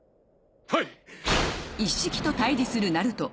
はい！